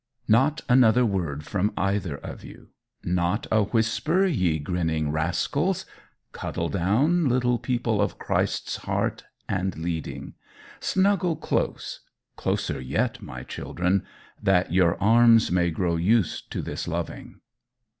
Not another word from either of you. Not a whisper, ye grinning rascals! Cuddle down, little people of Christ's heart and leading. Snuggle close closer yet, my children that your arms may grow used to this loving.